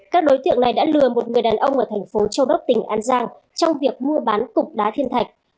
các đối tượng này đã lừa một người đàn ông ở thành phố châu đốc tỉnh an giang trong việc mua bán cục đá thiên thạch